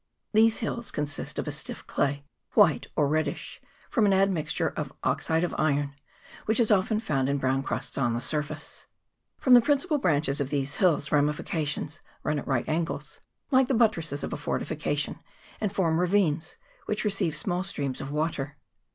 These hills consist of a stiff clay, white or reddish, from an admixture of oxide of iron, which is often found in brown crusts on the surface. From the prin cipal branches of these hills ramifications run at right angles, like the buttresses of a fortification, and form ravines^ which receive small streams of water.